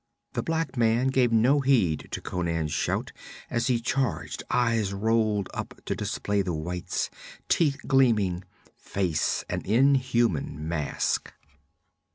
The black man gave no heed to Conan's shout as he charged, eyes rolled up to display the whites, teeth gleaming, face an inhuman mask.